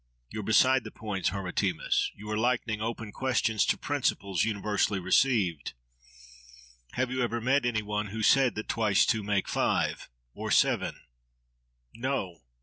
—You are beside the point, Hermotimus! You are likening open questions to principles universally received. Have you ever met any one who said that twice two make five, or seven? —No!